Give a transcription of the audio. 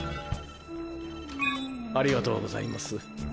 ありがとうございます。